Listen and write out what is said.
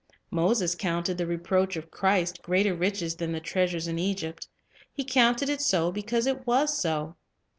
Moses counted the reproach of Christ greater riches than the treasures in Egypt. He counted it so because it was so.